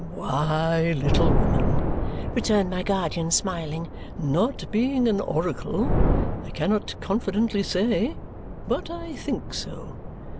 "Why, little woman," returned my guardian, smiling, "not being an oracle, I cannot confidently say, but I think so.